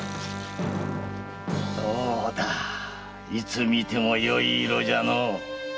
どうだいつ見てもよい色じゃのう。